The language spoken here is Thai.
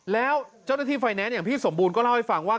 แล้วเจ้าหน้าที่ไฟแนนซ์อย่างพี่สมบูรณก็เล่าให้ฟังว่า